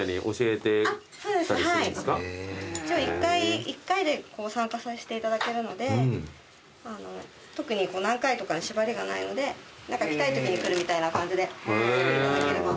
１回１回で参加していただけるので特に何回とか縛りがないので来たいときに来るみたいな感じで来ていただければ。